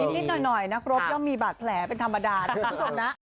นิดหน่อยนะครบย่อมีบาดแผลเป็นธรรมดานะ